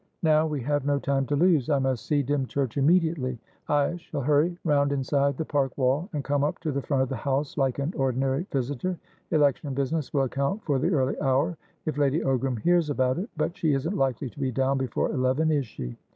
Now, we have no time to lose. I must see Dymchurch immediately. I shall hurry round inside the park wall, and come up to the front of the house, like an ordinary visitor. Election business will account for the early hour, if Lady Ogram hears about it; but she isn't likely to be down before eleven, is she?